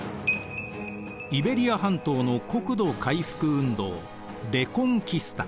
イベリア半島の国土回復運動レコンキスタ。